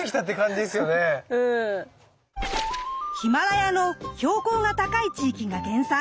ヒマラヤの標高が高い地域が原産。